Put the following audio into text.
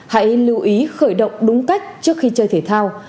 hãy lưu ý khởi động đúng cách trước khi chơi thể thao